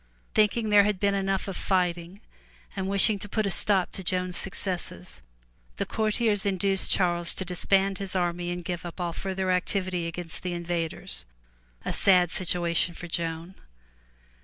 Thinking there had been enough of fighting and wishing to put a stop to Joan's suc cesses, the courtiers induced Charles to disband his army and give up all further activity against the invaders. A sad situation for Joan.